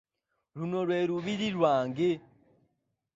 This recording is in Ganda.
Luno lwe Lubiri lwange.